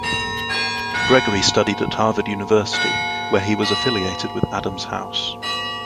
Gregory studied at Harvard University, where he was affiliated with Adams House.